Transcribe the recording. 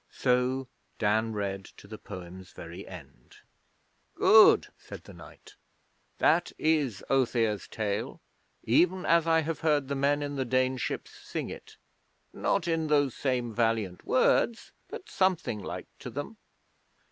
So Dan read to the poem's very end. 'Good,' said the knight. 'That is Othere's tale even as I have heard the men in the Dane ships sing it. Not in those same valiant words, but something like to them.'